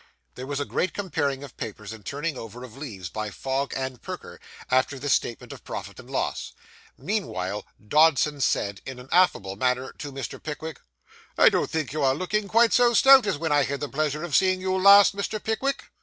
There was a great comparing of papers, and turning over of leaves, by Fogg and Perker, after this statement of profit and loss. Meanwhile, Dodson said, in an affable manner, to Mr. Pickwick 'I don't think you are looking quite so stout as when I had the pleasure of seeing you last, Mr. Pickwick.